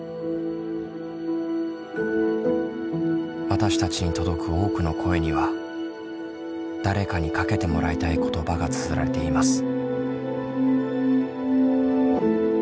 私たちに届く多くの声には誰かにかけてもらいたい言葉がつづられています。